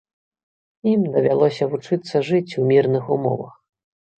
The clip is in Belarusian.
Ім давялося вучыцца жыць у мірных умовах.